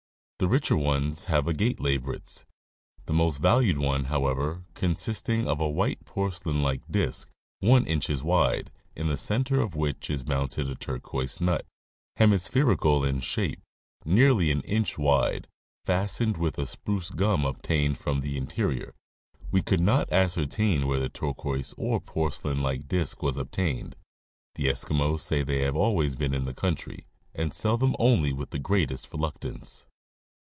'The rieher ones have agate labrets, the most valued one, however, consisting of a white porcelain like disk 14 inches wide, in the center of which is mounted a turquoise nut, hemispherical in shape, nearly an inch wide; fastened with a spruce gum obtained from the interior. We could not ascertain where the turquoise 'or porcelain like disk was obtained. The Eskimos say they have always been in the country, and sell them only with the greatest reluctance.